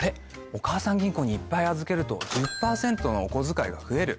おかあさん銀行にいっぱい預けると１０％のお小遣いが増える。